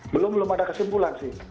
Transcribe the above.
belum belum ada kesimpulan sih